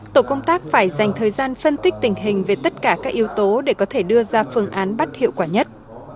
tổ công tác phải dành thời gian phân tích tình hình về tất cả các yếu tố để có thể đưa ra phương án bắt hiệu quả nhất